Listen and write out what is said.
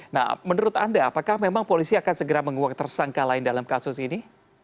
nah menurut anda apakah memang polisi akan segera menguak tersangka lain dalam kasus ini